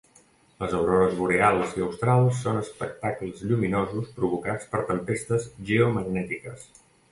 Les aurores boreals i australs són espectacles lluminosos provocats per tempestes geomagnètiques.